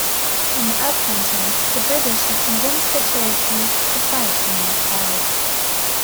In the Upcountry, the British had convinced the Cherokee to fight on their side.